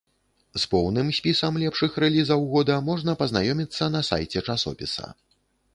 З поўным спісам лепшых рэлізаў года можна пазнаёміцца на сайце часопіса.